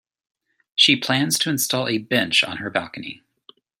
She plans to install a bench on her balcony.